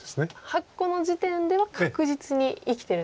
８個の時点では確実に生きてるんですね。